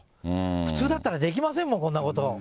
普通だったらできませんもん、こんなこと。